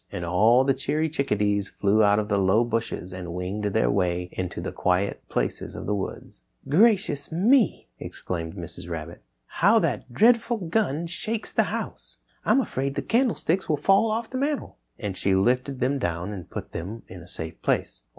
And all the cheery little Chick a dees flew out of the low bushes and winged their way into the quiet places of the wood. "Gracious me!" exclaimed Mrs. Rabbit, "how that dreadful gun shakes the house. I'm afraid the candlesticks will fall off the mantel," and she lifted them down and put them in a safe place.